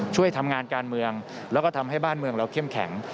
ช่วยทำงานการเมืองแล้วก็ทำให้บ้านเมืองเราเข้มแข็ง